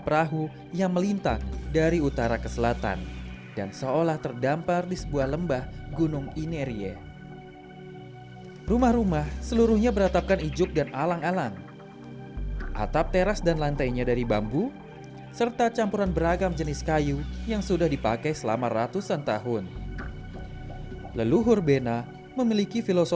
berikut hotel kedengaran tentang permission tikus